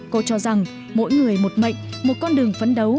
cô cho rằng mỗi người một mệnh một con đường phấn đấu